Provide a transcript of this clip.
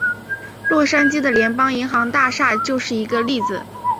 洛杉矶的联邦银行大厦就是一个例子。